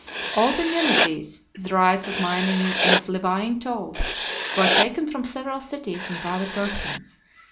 Old immunities, the rights of mining, and of levying tolls, were taken from several cities and private persons.